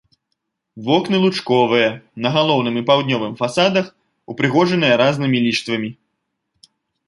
Вокны лучковыя, на галоўным і паўднёвым фасадах упрыгожаныя разнымі ліштвамі.